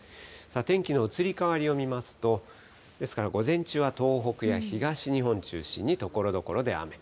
天気の移り変わりを見ますと、ですから、午前中は東北や東日本中心にところどころで雨。